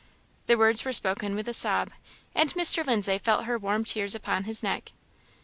The words were spoken with a sob, and Mr. Lindsay felt her warm tears upon his neck.